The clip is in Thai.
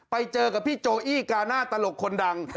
ไปเจอกับพี่โจอี้กาหน้าตลกคนดัง